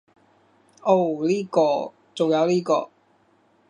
噢呢個，仲有呢個